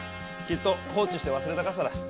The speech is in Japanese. きっと放置して忘れた傘だ。